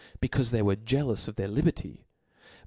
CUp/17. they Were jealous of their liberty ; but.